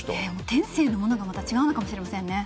天性のものが違うのかもしれませんね。